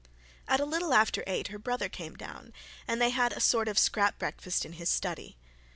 At a little after eight her brother came down, and they had a sort of scrap breakfast in his study.